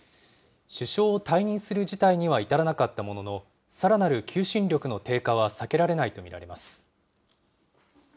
首相を退任する事態には至らなかったものの、さらなる求心力の低下は避けられないと見られます。